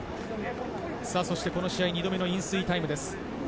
この試合２度目の飲水タイムです。